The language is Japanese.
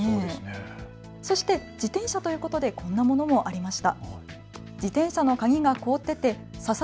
そして自転車ということでこんなものもありました。